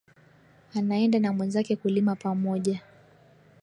Anaenda na mwenzake kulima pamoja